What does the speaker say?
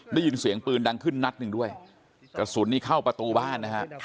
ได้ยินเสียงปืนดังขึ้นนัดหนึ่งด้วยกระสุนนี้เข้าประตูบ้านนะฮะ